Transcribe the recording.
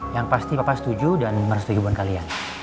yang pasti papa setuju dan mengeras tujuan kalian